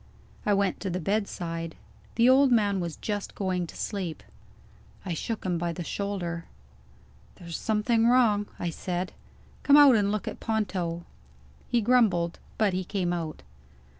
I went to the bedside. The old man was just going to sleep. I shook him by the shoulder. "There's something wrong," I said. "Come out and look at Ponto." He grumbled but he came out.